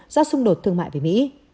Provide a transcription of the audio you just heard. do xung đột thương mại với mỹ